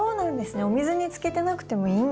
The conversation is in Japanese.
お水につけてなくてもいいんだ。